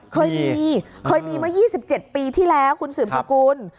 เคยมีเคยมีเมื่อ๒๗ปีที่แล้วคุณสื่อมสกุลค่ะครับ